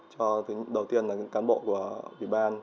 cho đầu tiên là các cán bộ của ubnd